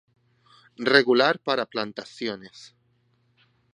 Regular para plantaciones.